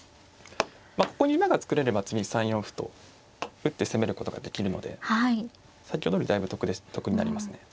ここに馬が作れれば次３四歩と打って攻めることができるので先ほどよりだいぶ得になりますね。